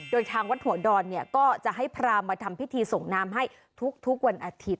โดยทางวัดหัวดอนเนี่ยก็จะให้พรามมาทำพิธีส่งน้ำให้ทุกวันอาทิตย